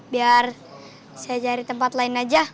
biar saya cari tempat lain aja